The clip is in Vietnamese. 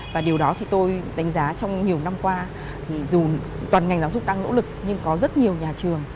và điều đó thì tôi đánh giá trong nhiều năm qua thì dù toàn ngành giáo dục đang nỗ lực nhưng có rất nhiều nhà trường